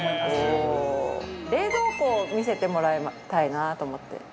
冷蔵庫を見せてもらいたいなと思って。